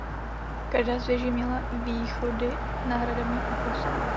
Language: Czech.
Každá z věží měla východy na hradební ochoz.